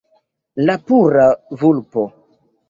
La pura vulpo